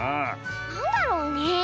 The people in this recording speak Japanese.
なんだろうねえ。